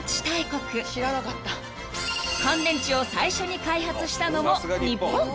［乾電池を最初に開発したのも日本］